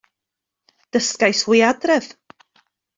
Dygais hwy adref.